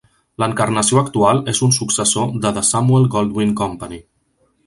L'encarnació actual és un successor de The Samuel Goldwyn Company.